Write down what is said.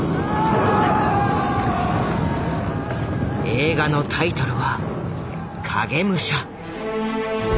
映画のタイトルは「影武者」。